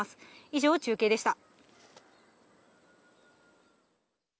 以上、中継でした。